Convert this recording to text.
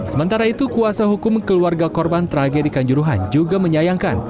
sementara itu kuasa hukum keluarga korban tragedi kanjuruhan juga menyayangkan